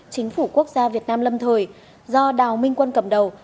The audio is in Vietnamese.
chính phủ quốc gia việt nam lâm thời do đào minh quân cầm đầu